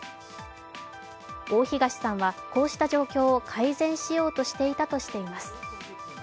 大東さんは、こうした状況を改善しようとしていたとしています。